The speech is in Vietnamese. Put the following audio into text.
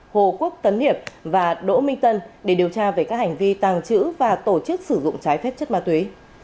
hồ quốc tấn hiệp và đỗ minh tân để điều tra về các hành vi tàng trữ và tổ chức sử dụng trái phép chất ma túy